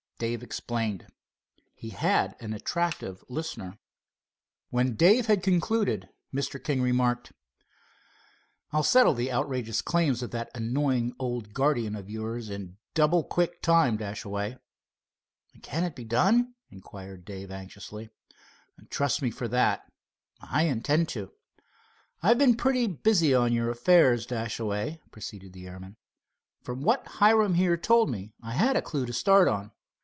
Dave explained. He had an attentive listener. When Dave had concluded, Mr. King remarked: "I'll settle the outrageous claims of that annoying old guardian of yours in double quick time, Dashaway." "Can it be done?" inquired Dave, anxiously. "Trust me for that." "I intend to." "I've been pretty busy on your affairs, Dashaway," proceeded the airman. "From what Hiram here told me, I had a clew to start on.